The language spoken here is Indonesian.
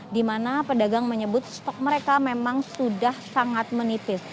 di mana pedagang menyebut stok mereka memang sudah sangat menipis